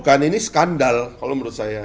bukan ini skandal kalau menurut saya